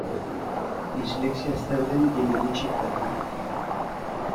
Dislexia zer den jende gutxik daki.